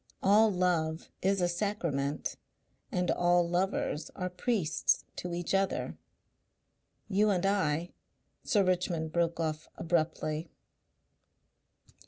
All love is a sacrament and all lovers are priests to each other. You and I " Sir Richmond broke off abruptly.